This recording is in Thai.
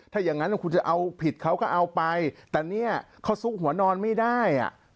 ถ้าอย่างนั้นคุณจะเอาผิดเขาก็เอาไปแต่เนี่ยเขาซุกหัวนอนไม่ได้อ่ะ